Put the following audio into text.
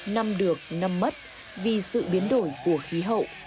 nằm được nằm mất vì sự biến đổi của khí hậu